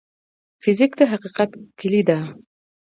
فزیک د حقیقت کلي ده.